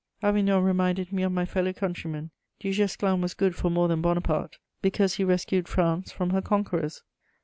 Avignon reminded me of my fellow countryman. Du Guesclin was good for more than Bonaparte, because he rescued France from her conquerors.